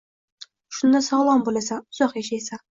Shunda sog‘lom bo‘lasan, uzoq yashaysan.